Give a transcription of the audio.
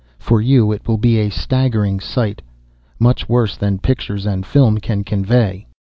For you it will be a staggering sight, much worse than pictures and film can convey."